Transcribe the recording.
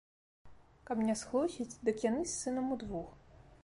Каб не схлусіць, дык яны з сынам удвух.